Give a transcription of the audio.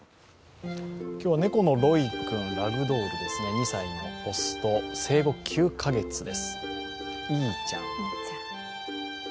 今日は猫のロイ君ラグドールですね２歳の雄と、生後９か月ですいーちゃん。